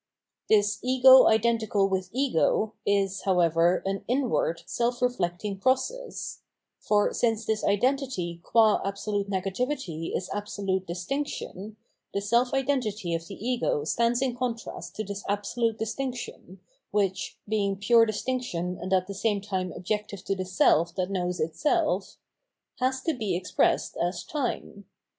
§ This "Ego identical with Ego'"' is, however, an inward, self reflecting process ; for since this identity qm absolute negativity is absolute distinction, the self identity of the Ego stands in contrast to this absolute distinction, which — ^being pure distinction and at the same time objective to the self that knows itself — has to be expressed as Time.